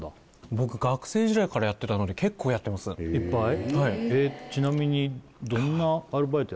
僕学生時代からやってたので結構やってますいっぱい？